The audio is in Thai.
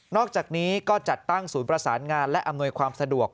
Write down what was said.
อกจากนี้ก็จัดตั้งศูนย์ประสานงานและอำนวยความสะดวก